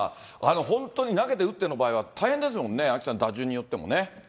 本当に投げて打っての場合は大変ですもんね、アキさん、打順によってもね。